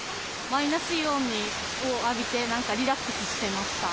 マイナスイオンを浴びて、なんかリラックスしてました。